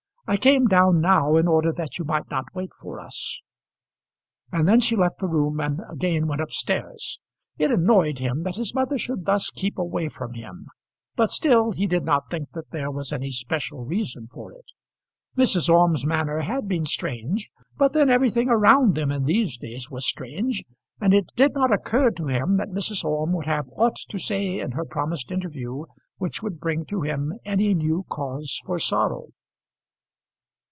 I came down now in order that you might not wait for us." And then she left the room and again went up stairs. It annoyed him that his mother should thus keep away from him, but still he did not think that there was any special reason for it. Mrs. Orme's manner had been strange; but then everything around them in these days was strange, and it did not occur to him that Mrs. Orme would have aught to say in her promised interview which would bring to him any new cause for sorrow.